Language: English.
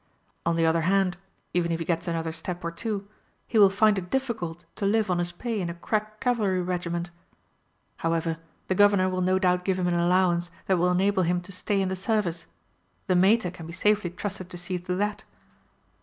On the other hand, even if he gets another step or two, he will find it difficult to live on his pay in a crack cavalry regiment. However, the Governor will no doubt give him an allowance that will enable him to stay in the Service the Mater can be safely trusted to see to that!